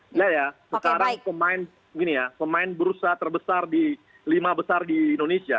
lihat ya sekarang pemain gini ya pemain bursa terbesar di lima besar di indonesia